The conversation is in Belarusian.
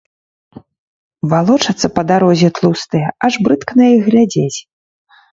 Валочацца па дарозе тлустыя, аж брыдка на іх глядзець.